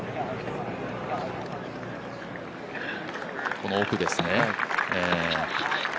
この奥ですね。